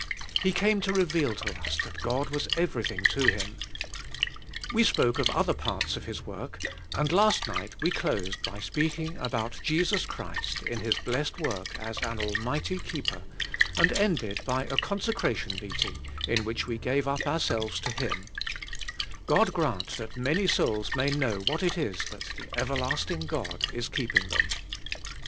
He came to reveal to us that God was every thing to Him. We spoke of other parts of His work, and last night we closed by speaking about Jesus Christ in His blessed work as an Almighty Keeper, and ended by a consecration meeting in which we gave up ourselves to Him; God grant that many souls may know what it is that the Everlasting God is keeping them.